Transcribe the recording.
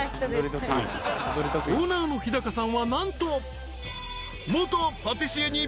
［オーナーの日さんは何と］